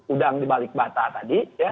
udang dibalik bata tadi